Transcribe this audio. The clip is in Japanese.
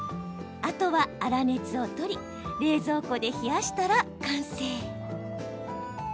あとは、粗熱を取り冷蔵庫で冷やしたら完成。